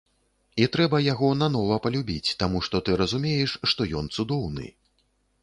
І трэба яго нанова палюбіць, таму што ты разумееш, што ён цудоўны.